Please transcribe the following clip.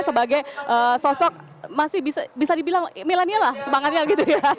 sebagai sosok masih bisa dibilang milenial lah semangatnya gitu ya